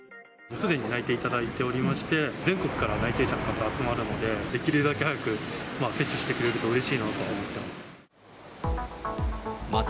すでに内定頂いておりまして、全国から内定者の方集まるので、できるだけ早く接種してくれるとうれしいなとは思ってます。